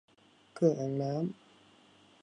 เครื่องอังน้ำ